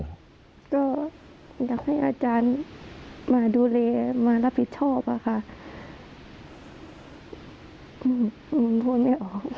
ก็อยากให้อาจารย์มาดูแลมารับผิดชอบค่ะ